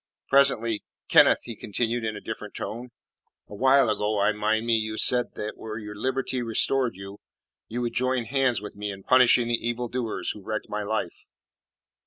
Presently "Kenneth," he continued in a different tone, "a while ago I mind me you said that were your liberty restored you, you would join hands with me in punishing the evildoers who wrecked my life."